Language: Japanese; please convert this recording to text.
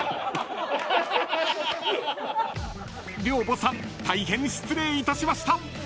［寮母さん大変失礼いたしました］